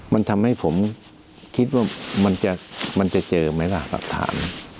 มันทำให้ผมคิดว่ามันจะเจอไหมล่ะหลักฐาน